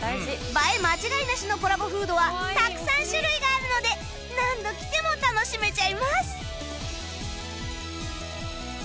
映え間違いなしのコラボフードはたくさん種類があるので何度来ても楽しめちゃいます！